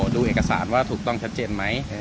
ดูเอกสารว่าถูกต้องชัดเจนไหม